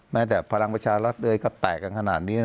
แม้แต่พลังประชารัฐเองก็แตกกันขนาดนี้